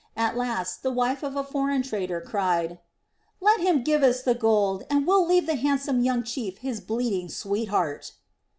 At last the wife of a foreign trader cried: "Let him give us the gold, and we'll leave the handsome young chief his bleeding sweetheart."